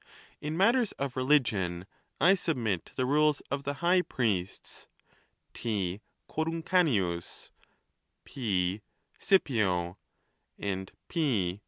In matters of religion I submit to the rules of the high priests,T. Coruncanius, P. Scipio, and P.